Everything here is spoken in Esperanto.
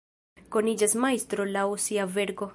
Koniĝas majstro laŭ sia verko.